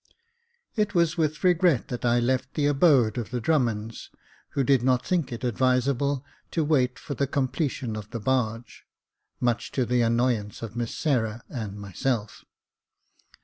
It was with regret that I left the abode of the Drummonds, who did not think it advisable to wait for the completion of the barge, much to the annoyance of Miss Sarah and myself.